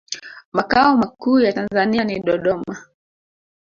makao makuu ya tanzania ni dodoma